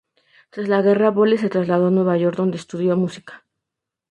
Tras la guerra, Boles se trasladó a Nueva York, donde estudió música.